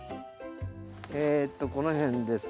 えとこの辺です。